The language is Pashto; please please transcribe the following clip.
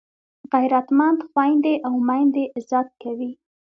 غیرتمند خویندي او میندې عزت کوي